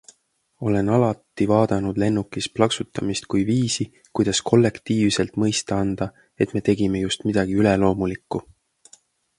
Olen alati vaadanud lennukis plaksutamist kui viisi, kuidas kollektiivselt mõista anda, et me tegime just midagi üleloomulikku.